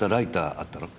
あったろ？